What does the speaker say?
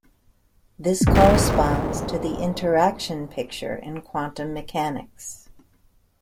This corresponds to the interaction picture in quantum mechanics.